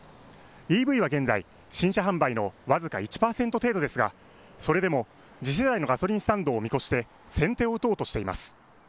ＥＶは現在、新車販売の僅か１％程度ですが、それでも次世代のガソリンスタンドを見越して、先手を打とうとしています。